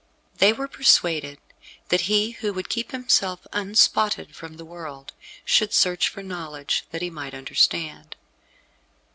They were persuaded that he who would keep himself unspotted from the world should search for knowledge, that he might understand.